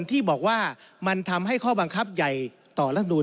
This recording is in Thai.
ที่บอกว่ามันทำให้ข้อบังคับใหญ่ต่อรัฐมนูล